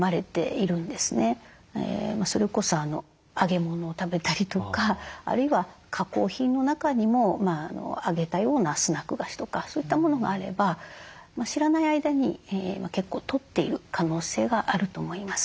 それこそ揚げ物を食べたりとかあるいは加工品の中にも揚げたようなスナック菓子とかそういったものがあれば知らない間に結構とっている可能性があると思います。